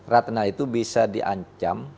ratna itu bisa diancam